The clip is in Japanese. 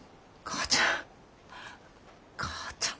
「母ちゃん！